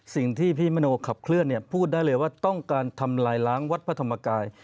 สิ่งที่พี่มโนขับเคลื่อนพูดได้เลยว่าต้องการทำลายล้างวัดพระธรรมกาย